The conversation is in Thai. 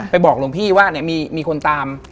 ไปบอกหลวงพี่ว่าเนี่ยมีคนตาม